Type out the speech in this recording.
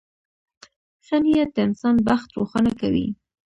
• ښه نیت د انسان بخت روښانه کوي.